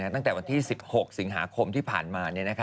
ตั้งแต่วันที่๑๖สิงหาคมที่ผ่านมา